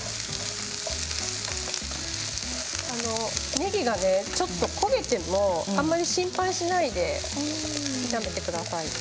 ねぎがちょっと焦げてもあまり心配しないで炒めてくださいね。